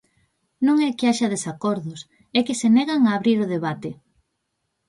Non é que haxa desacordos, é que se negan a abrir o debate.